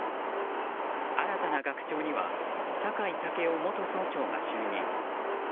新たな学長には酒井健夫元総長が就任。